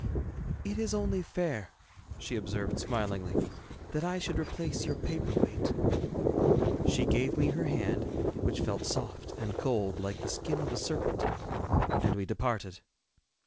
'It is only fair,' she observed, smilingly, 'that I should replace your paper weight.' She gave me her hand, which felt soft and cold, like the skin of a serpent, and we departed.